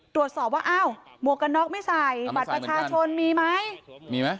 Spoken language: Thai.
ตรวจสอบว่าอ้าวหมวกกันน็อกไม่ใส่บัตรประชาชนมีไหมมีไหม